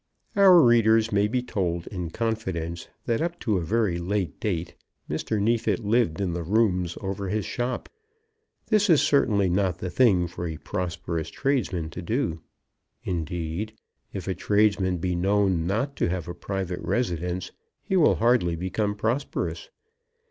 Our readers may be told in confidence that up to a very late date Mr. Neefit lived in the rooms over his shop. This is certainly not the thing for a prosperous tradesman to do. Indeed, if a tradesman be known not to have a private residence, he will hardly become prosperous.